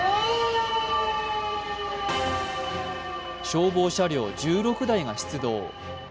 消防車両１６台が出動。